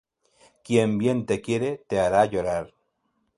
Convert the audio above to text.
Quien bien te quiere, te hará llorar